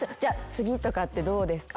「次とかってどうですか？」